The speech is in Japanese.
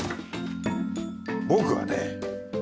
僕はね